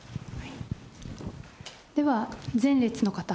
では前列の方。